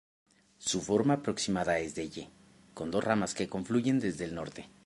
Su forma aproximada es de "Y", con dos ramas que confluyen desde el norte.